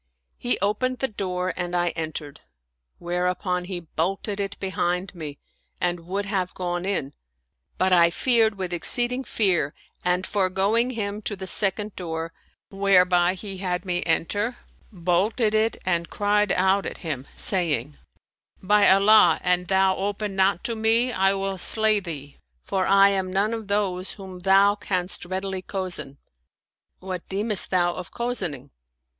He opened the 165 Oriental Mystery Stories door and I entered, whereupon he bolted it behind me and would have gone in ; but I feared with exceeding fear and foregoing him to the second door, whereby he would have had me enter, bolted it and cried out at him, saying, " By Allah, an thou open not to me, I will slay thee; for I am none of those whom thou canst readily cozen." "What deemest thou of cozening?